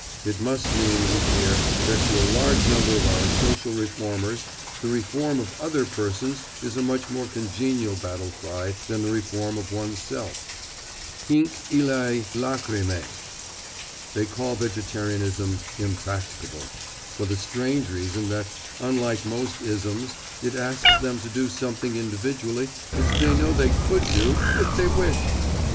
It must mean, we fear, that to a large number of our social reformers the reform of other persons is a much more congenial battle cry than the reform of one's self. Hinc illæ lacrymæ. They call vegetarianism "impracticable" for the strange reason that, unlike most isms, it asks them to do something individually which they know they could do—if they wished!